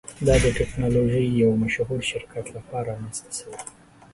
دا د ټیکنالوژۍ یو مشهور شرکت لخوا رامینځته شوی.